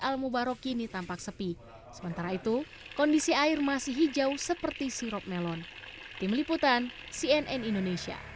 al mubarak ini tampak sepi sementara itu kondisi air masih hijau seperti sirup melon tim liputan